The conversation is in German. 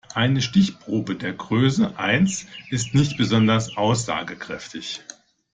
Eine Stichprobe der Größe eins ist nicht besonders aussagekräftig.